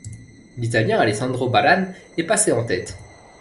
L'Italien Alessandro Ballan est passé en tête.